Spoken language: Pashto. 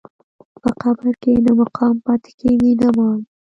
په قبر کې نه مقام پاتې کېږي نه مال.